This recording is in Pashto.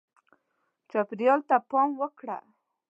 چاپېریال ته پام وکړه.